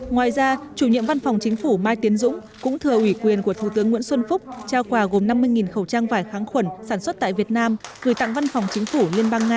ngoài ra chủ nhiệm văn phòng chính phủ mai tiến dũng cũng thừa ủy quyền của thủ tướng nguyễn xuân phúc trao quà gồm năm mươi khẩu trang vải kháng khuẩn sản xuất tại việt nam gửi tặng văn phòng chính phủ liên bang nga